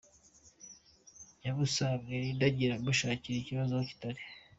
Nyabusa mwirindagira mushakira ibibazo aho bitari.